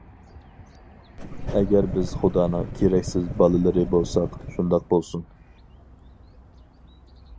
ئەگەر بىز خۇدانىڭ كېرەكسىز بالىلىرى بولساق، شۇنداق بولسۇن